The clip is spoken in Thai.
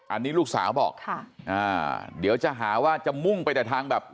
อันนี้ลูกสาวบอกค่ะอ่าเดี๋ยวจะหาว่าจะมุ่งไปแต่ทางแบบ